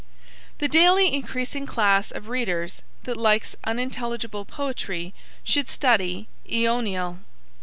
The daily increasing class of readers that likes unintelligible poetry should study AEonial.